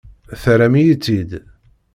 Terram-iyi-tt-id.